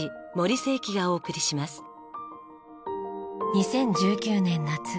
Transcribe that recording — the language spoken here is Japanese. ２０１９年夏